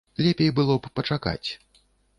Лепей было б пачакаць.